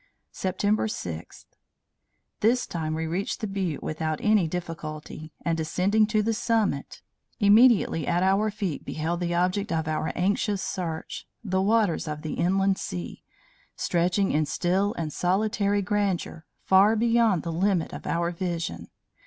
"September 6. This time we reached the butte without any difficulty; and ascending to the summit, immediately at our feet beheld the object of our anxious search, the waters of the Inland Sea, stretching in still and solitary grandeur, far beyond the limit of our vision.